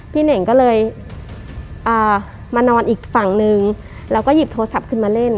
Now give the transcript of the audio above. เน่งก็เลยมานอนอีกฝั่งนึงแล้วก็หยิบโทรศัพท์ขึ้นมาเล่น